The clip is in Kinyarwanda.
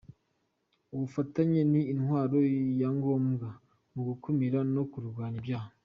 Ubufatanye ni intwaro ya ngombwa mu gukumira no kurwanya ibyaha.